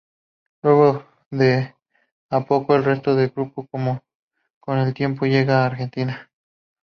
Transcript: Luego de a poco, el resto del grupo con el tiempo llega a Argentina.